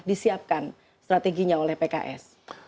disiapkan strateginya oleh pks